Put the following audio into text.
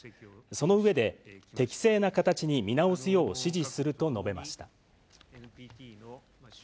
その上で、適正な形に見直すよう指示すると述べました。